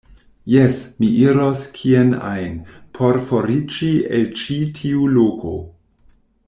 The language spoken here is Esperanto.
Jes, mi iros kien ajn, por foriĝi el ĉi tiu loko.